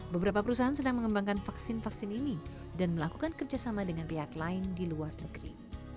beberapa perusahaan sedang mengembangkan vaksin vaksin ini dan melakukan kerjasama dengan pihak lain di luar negeri